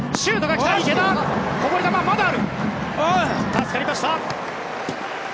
助かりました。